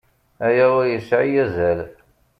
Aya ur yesɛi azal.